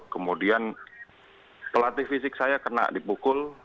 kemudian pelatih fisik saya kena dipukul